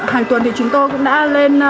hàng tuần thì chúng tôi cũng đã lên